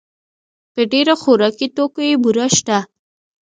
په ډېر خوراکي توکو کې بوره شته.